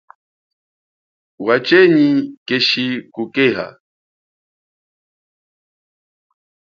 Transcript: Wachenyi keshi kukeha.